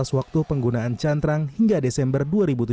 batas waktu penggunaan cantrang hingga desember dua ribu tujuh belas